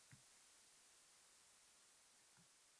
Men yana Parij burchaklarida uchratganim